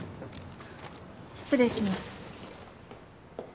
失礼します。